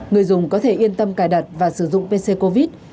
người dùng có thể yên tâm cài đặt và sử dụng pc covid